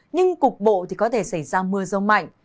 nhưng cục bộ thì có thể xảy ra mưa rông mạnh